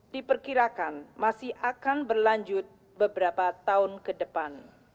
diperkirakan masih akan berlanjut beberapa tahun ke depan